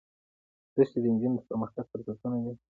دښتې د نجونو د پرمختګ فرصتونه دي.